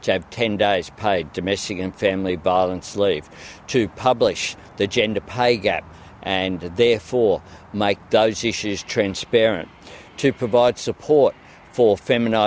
untuk meningkatkan kehidupan perempuan